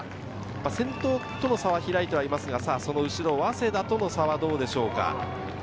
先頭との差は開いてはいますが、後ろ早稲田との差はどうでしょうか？